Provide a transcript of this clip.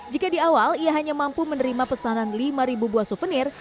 jika di awal ia hanya mampu menerima pesanan lima buah souvenir